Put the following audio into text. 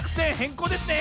こうですね！